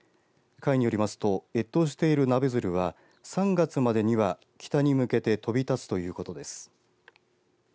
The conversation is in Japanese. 会によりますと越冬しているナベヅルは３月までには北に向けて飛び立つということです。